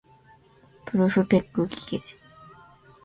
ブルフペックきけ